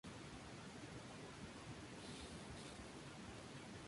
Según la clasificación climática de Köppen en el cantón predomina el clima Tropical Monzónico.